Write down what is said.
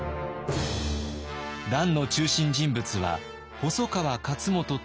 乱の中心人物は細川勝元と山名宗全。